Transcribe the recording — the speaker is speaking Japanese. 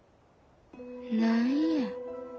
何や。